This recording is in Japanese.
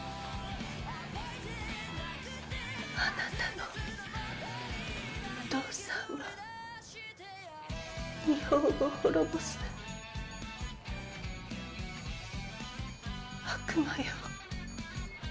あなたのお父さんは日本を滅ぼす悪魔よ。